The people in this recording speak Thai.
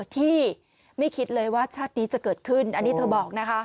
ที่ไม่คิดเลยว่าชาตินี้จะเกิดขึ้นอันนี้เธอบอกนะคะ